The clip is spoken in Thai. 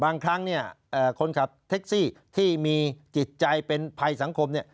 บางครั้งเนี่ยคนขับแท็กซี่ที่มีจิตใจเป็นภัยสังคมเนี่ย